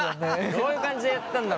どういう感じでやったんだろうなあ。